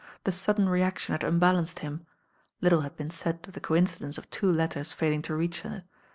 The sudden reaction had un balanced him. Little had been said of the coinci« dence of two letters failing to reach her.